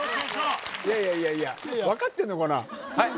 いやいやいやいや分かってんのかな